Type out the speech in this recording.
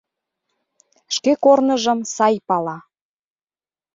Шке корныжым сай пала.